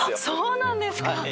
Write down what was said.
そうなんですか。